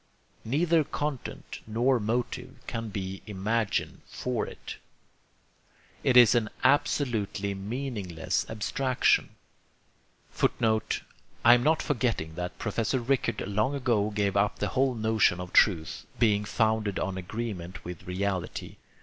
Neither content nor motive can be imagined for it. It is an absolutely meaningless abstraction. [Footnote: I am not forgetting that Professor Rickert long ago gave up the whole notion of truth being founded on agreement with reality.